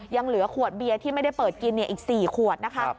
ยังเหลือขวดเบียร์ที่ไม่ได้เปิดกินอีก๔ขวดนะคะ